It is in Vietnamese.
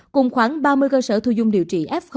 cùng khoảng ba mươi cơ sở thu dung điều trị f một